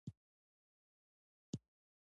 بامیان د افغانستان طبعي ثروت دی.